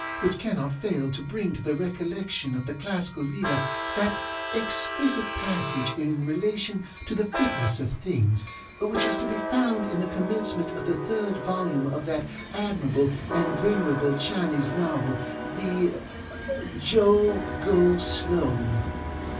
which cannot fail to bring to the recollection of the classical reader that exquisite passage in relation to the fitness of things, which is to be found in the commencement of the third volume of that admirable and venerable Chinese novel the Jo Go Slow.